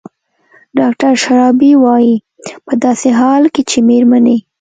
ډاکتر شرابي وايي په داسې حال کې چې مېرمنې